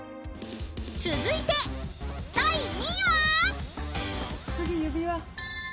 ［続いて第２位は？］